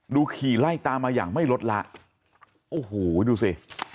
ขี่ไล่ตามมาอย่างไม่ลดละโอ้โหดูสิ